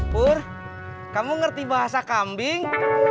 pur kamu ngerti bahasa kambing